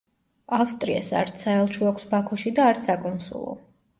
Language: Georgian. ავსტრიას არც საელჩო აქვს ბაქოში და არც საკონსულო.